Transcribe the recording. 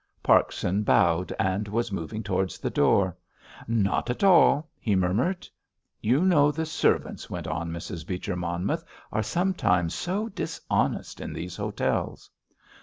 Parkson bowed, and was moving towards the door. "Not at all," he murmured. "You know, the servants," went on Mrs. Beecher Monmouth, "are sometimes so dishonest in these hotels."